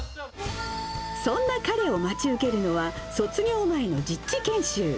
そんな彼を待ち受けるのは、卒業前の実地研修。